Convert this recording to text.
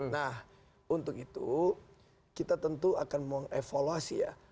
nah untuk itu kita tentu akan mau evolusi ya